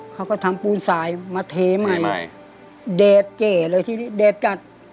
เขาก็ทำปูนสายมาเทใหม่ใหม่แดดเจ๋เลยทีนี้แดดกัด